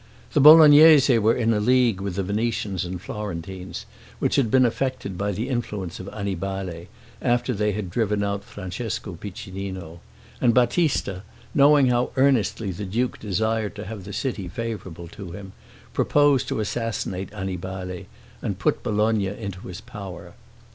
The Bolognese were in a league with the Venetians and Florentines, which had been effected by the influence of Annibale, after they had driven out Francesco Piccinino; and Battista, knowing how earnestly the duke desired to have the city favorable to him, proposed to assassinate Annibale, and put Bologna into his power.